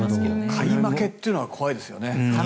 買い負けというのは怖いですよね。